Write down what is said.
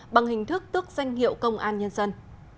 bằng hình thức tước danh hiệu công an nhân dân